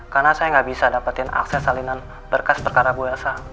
karena saya gak bisa dapetin akses salinan berkas perkara bu elsa